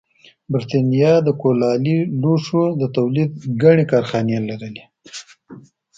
برېټانیا د کولالي لوښو د تولید ګڼې کارخانې لرلې